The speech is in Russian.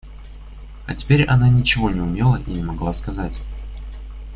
А теперь она ничего не умела и не могла сказать.